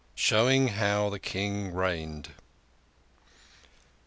SHOWING HOW THE KING REIGNED.